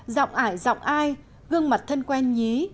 giọng ải giọng ai gương mặt thân quen nhí